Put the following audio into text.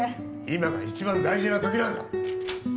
今が大事な時なんだ